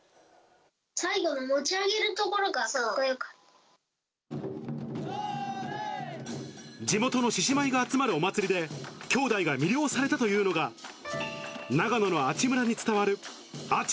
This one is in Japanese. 最後の持ち上げるところがか地元の獅子舞が集まるお祭りで、きょうだいが魅了されたというのが、長野の阿智村に伝わる阿智